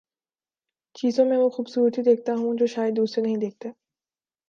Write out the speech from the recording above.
چیزوں میں وہ خوبصورتی دیکھتا ہوں جو شائد دوسرے نہیں دیکھتے